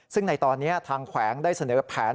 ซึ่งในตอนนี้ทางแขวงได้เสนอแผน